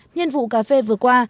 nhân vụ cà phê vừa qua